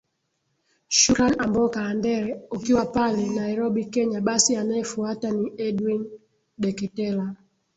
shukran amboka andere ukiwa pale nairobi kenya basi anayefuata ni edwin deketela